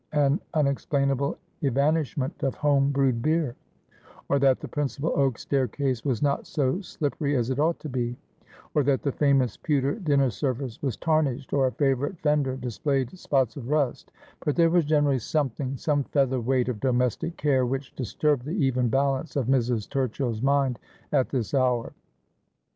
an unexplainable evanishment of home brewed beer : or that the principal oak staircase was not so slippery as it ought to be ; or that the famous pewter dinner service was tarnished ; or a favourite fender displayed spots of rust ; but there was generally something, some feather weight of domestic care which dis turbed the even balance of Mrs. Turchill's mind at this hour.